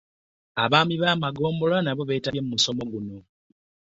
Abaami b'amagombolola nabo beetabye mu musomo guno.